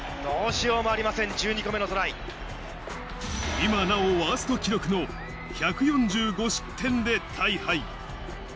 今なおワースト記録の１４５失点で大敗。